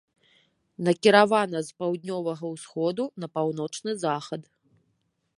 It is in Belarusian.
Накіравана з паўднёвага ўсходу на паўночны захад.